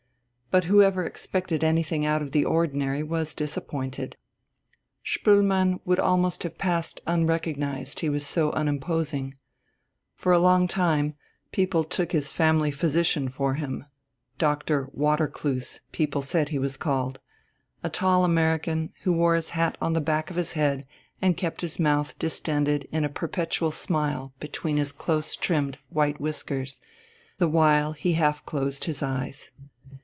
But whoever expected anything out of the ordinary was disappointed. Spoelmann would almost have passed unrecognized, he was so unimposing. For a long time people took his family physician for him (Doctor Watercloose, people said he was called), a tall American, who wore his hat on the back of his head and kept his mouth distended in a perpetual smile between his close trimmed white whiskers, the while he half closed his eyes.